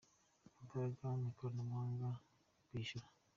imbaraga mu ikoranabuhanga, kwishyura.